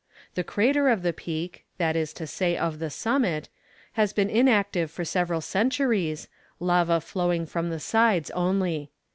The crater of the Peak that is to say, of the summit has been inactive for several centuries, lava flowing from the sides only.